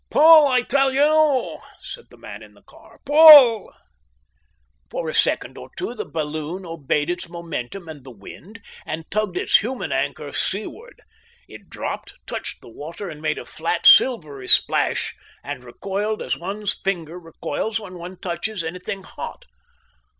"Pull, I tell you!" said the man in the car "pull!" For a second or so the balloon obeyed its momentum and the wind and tugged its human anchor seaward. It dropped, touched the water, and made a flat, silvery splash, and recoiled as one's finger recoils when one touches anything hot.